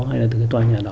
hay là từ cái tòa nhà đó